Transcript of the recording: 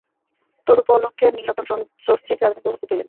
তদুপলক্ষে নীলরতন সস্ত্রীক রাজধানীতে উপস্থিত হইলেন।